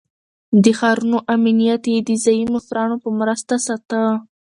د ښارونو امنيت يې د ځايي مشرانو په مرسته ساته.